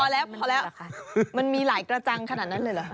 พอแล้วพอแล้วมันมีหลายกระจังขนาดนั้นเลยเหรอ